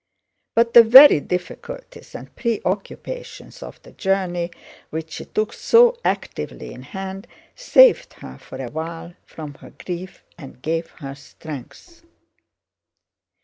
But the very difficulties and preoccupations of the journey, which she took so actively in hand, saved her for a while from her grief and gave her strength.